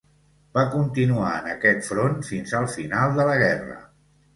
Va continuar en aquest front fins al final de la guerra.